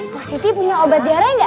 positi punya obat diare nggak